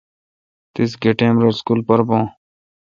تیس گہ ٹیم رل اسکول پر بون؟